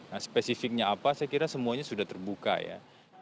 nah spesifiknya apa saya kira semuanya sudah terbuka ya